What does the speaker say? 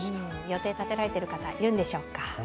予定立てられている方、いるんでしょうか。